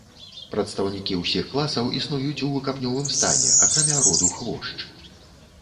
Прадстаўнікі ўсіх класаў існуюць у выкапнёвым стане, акрамя роду хвошч.